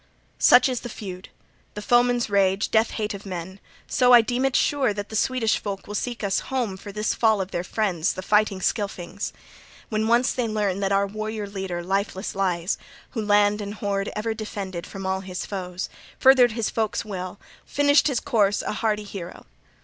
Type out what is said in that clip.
"Such is the feud, the foeman's rage, death hate of men: so I deem it sure that the Swedish folk will seek us home for this fall of their friends, the fighting Scylfings, when once they learn that our warrior leader lifeless lies, who land and hoard ever defended from all his foes, furthered his folk's weal, finished his course a hardy hero.